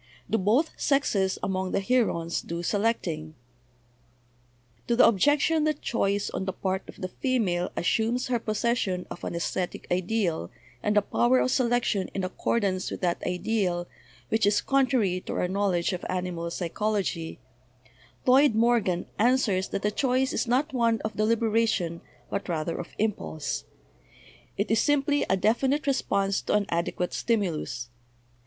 Do both sexes among} the herons do selecting?" To the objection that choice on the part of the female assumes her possession of an esthetic ideal and a power of selection in accordance with that ideal which is con trary to our knowledge of animal psychology, Lloyd Mor gan answers that the choice is not one of deliberation but rather of impulse; it is simply a definite response to an adequate stimulus.